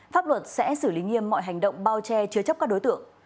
pháp luật sẽ xử lý nghiêm mọi hành động bao che chứa chấp các đối tượng